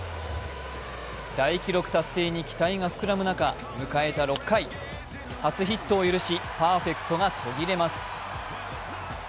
大記録達成に期待が膨らむ中、迎えた６回、初ヒットを許しパーフェクトが途切れます。